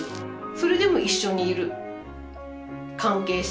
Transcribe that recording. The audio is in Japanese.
それでも一緒にいる関係性みたいな。